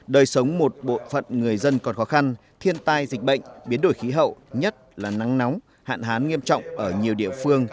đời sống một bộ phận người dân còn khó khăn thiên tai dịch bệnh biến đổi khí hậu nhất là nắng nóng hạn hán nghiêm trọng ở nhiều địa phương